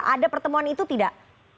ada pertemuan itu tidak